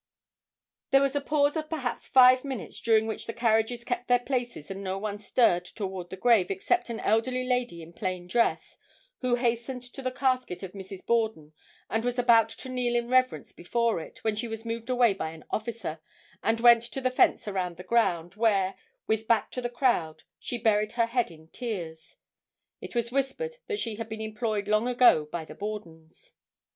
There was a pause of perhaps five minutes, during which the carriages kept their places and no one stirred toward the grave except an elderly lady in plain dress, who hastened to the casket of Mrs. Borden, and was about to kneel in reverence before it, when she was moved away by an officer, and went to the fence around the ground, where, with back to the crowd, she buried her head in tears. It was whispered that she had been employed long ago by the Bordens.